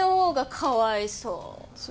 かわいそう。